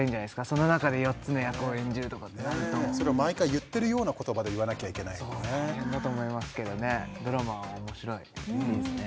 その中で４つの役を演じるとかってなるとそれを毎回言ってるような言葉で言わなきゃいけないもんね大変だと思いますけどねドラマは面白いいいですね